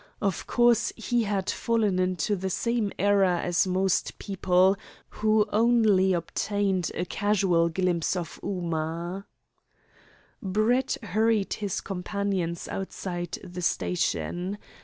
Of course, he had fallen into the same error as most people who only obtained a casual glimpse of Ooma. Brett hurried his companions outside the station.